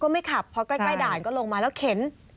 ไม่ขับพอใกล้ด่านก็ลงมาแล้วเข็น